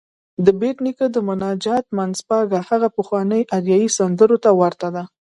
د بېټ نیکه د مناجات منځپانګه هغه پخوانيو اریايي سندرو ته ورته ده.